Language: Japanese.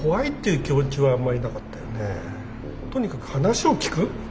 とにかく話を聞く。